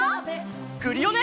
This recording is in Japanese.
クリオネ！